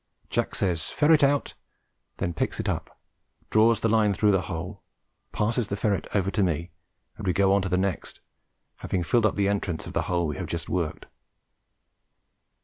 Jack says, "Ferret out," then picks it up, draws the line through the hole, passes the ferret over to me, and we go on to the next, having filled up the entrance of the hole we have just worked.